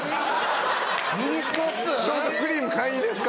ミニストップ⁉ソフトクリーム買いにですか